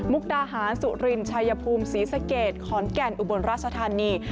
กดาหารสุรินชายภูมิศรีสะเกดขอนแก่นอุบลราชธานี